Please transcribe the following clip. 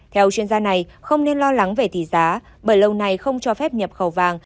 theo chuyên gia này không nên lo lắng về tỷ giá bởi lâu nay không cho phép nhập khẩu vàng